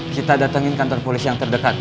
kita datangin kantor polisi yang terdekat